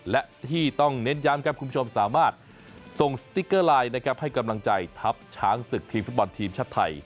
และที่ต้องเน้นย้ำครับคุณผู้ชมสามารถส่งสติ๊กเกอร์ไลน์นะครับให้กำลังใจทัพช้างศึกทีมฟุตบอลทีมชาติไทย